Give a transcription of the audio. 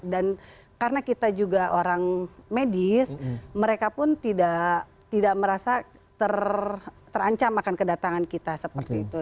dan karena kita juga orang medis mereka pun tidak merasa terancam akan kedatangan kita seperti itu